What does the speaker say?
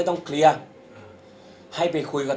ที่ไปบอกว่า